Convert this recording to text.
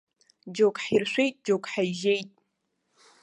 Џьоук ҳиршәеит, џьоук ҳаижьеит.